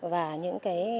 và những cái